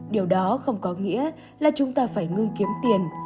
điều đó không có nghĩa là chúng ta phải ngưng kiếm tiền